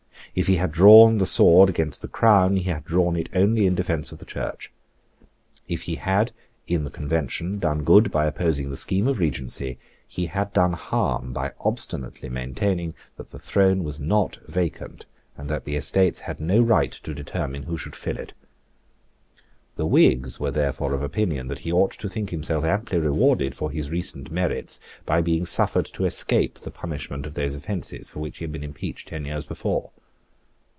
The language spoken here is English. If he had drawn the sword against the Crown, he had drawn it only in defence of the Church. If he had, in the Convention, done good by opposing the scheme of Regency, he had done harm by obstinately maintaining that the throne was not vacant, and that the Estates had no right to determine who should fill it. The Whigs were therefore of opinion that he ought to think himself amply rewarded for his recent merits by being suffered to escape the punishment of those offences for which he had been impeached ten years before.